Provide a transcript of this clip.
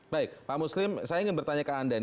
baik pak muslim saya ingin bertanya ke anda ini